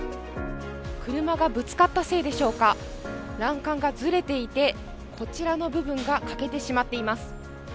車がぶつかったせいでしょうか、欄干がずれていて、こちらの部分が欠けてしまっています。